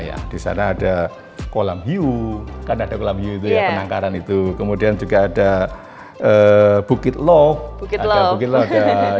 ya di sana ada kolam hiu kan ada kolam hiu itu ya penangkaran itu kemudian juga ada bukit loof